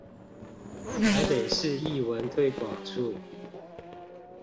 臺北市藝文推廣處